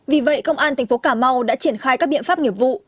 vì vậy công an tp cà mau đã triển khai các biện pháp nghiệp vụ